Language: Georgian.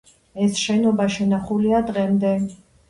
ეს შენობა შენახულია დღემდე.